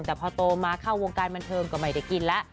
แต่พอโตมาเข้าวงการบันเทิงก็ไม่ได้กินแล้ว